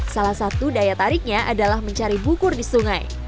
salah satu daya tariknya adalah mencari bukur di sungai